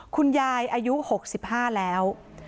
คุณยายอายุ๖๕แล้ว